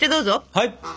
はい！